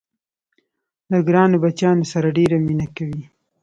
له ګرانو بچیانو سره ډېره مینه کوي.